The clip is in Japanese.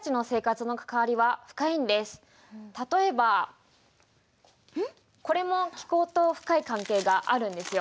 例えばこれも気候と深い関係があるんですよ。